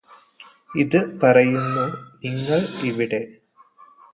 ഇത് പറയുന്നു നിങ്ങള് ഇവിടെ